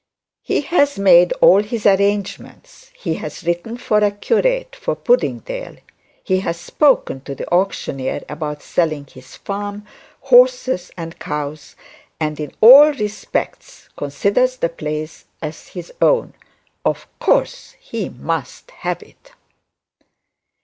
He has made all his arrangements. He has written for a curate for Puddingdale, he has spoken to the auctioneer about selling his farm, horses, and cows, and in all respects considers the place as his own. Of course he must have it.'